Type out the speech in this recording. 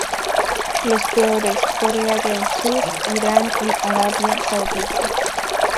Los peores, Corea del Sur, Irán y Arabia Saudita.